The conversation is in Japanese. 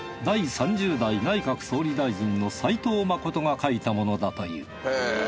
第３０代内閣総理大臣の齋藤實が書いたものだという。